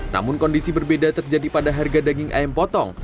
namun kondisi berbeda terjadi pada harga daging ayam potong